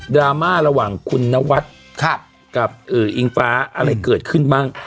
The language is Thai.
ดรามาระหว่างคุณนวัฒน์ครับกับอึ้อห์อิงฟ้าอะไรเกิดขึ้นบ้าง